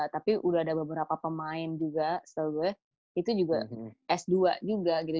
tapi udah ada beberapa pemain juga setelah gue itu juga s dua juga gitu